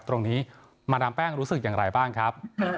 ตรงนี้มาดามแป้งรู้สึกอย่างไรบ้างครับ